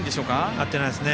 合ってないですね。